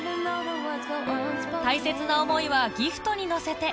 大切な思いはギフトに乗せて